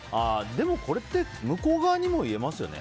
でもこれって、向こう側にも言えますよね。